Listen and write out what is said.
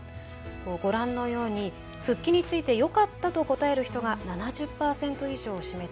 ご覧のように復帰について「よかった」と答える人が７０％以上を占めています。